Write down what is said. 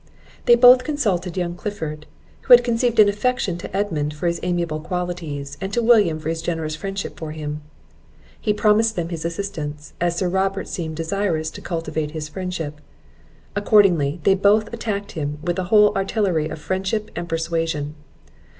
They both consulted young Clifford, who had conceived an affection to Edmund for his amiable qualities, and to William for his generous friendship for him. He promised them his assistance, as Sir Robert seemed desirous to cultivate his friendship. Accordingly, they both attacked him with the whole artillery of friendship and persuasion.